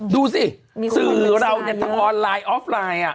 ดูสิสื่อเราเนี่ยทางออนไลน์ออฟไลน์